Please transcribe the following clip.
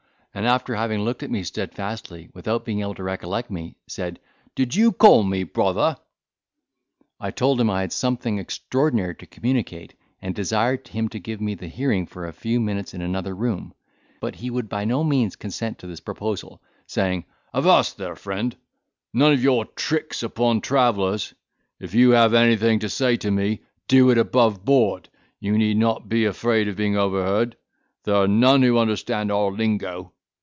and, after having looked at me steadfastly, without being able to recollect me, said, "Did you call me, brother," I told him I had something extraordinary to communicate, and desired him to give me the hearing for a few minutes in another room; but he would by no means consent to this proposal, saying, "Avast there, friend: none of your tricks upon travellers;—if you have anything to say to me, do it above board;—you need not be afraid of being overheard;—here are none who understand our lingo."